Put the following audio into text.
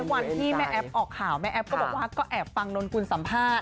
วันที่แม่แอฟออกข่าวแม่แอฟก็บอกว่าก็แอบฟังนนกุลสัมภาษณ